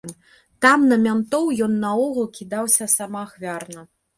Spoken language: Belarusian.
Там на мянтоў ён наогул кідаўся самаахвярна.